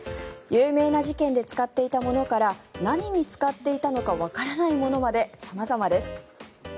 有名な事件で使っていたものから何に使っていたかわからないものまで様々です。